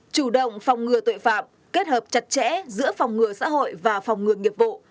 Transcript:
chủ động phòng ngừa tội phạm kết hợp chặt chẽ giữa phòng ngừa xã hội và phòng ngừa nghiệp vụ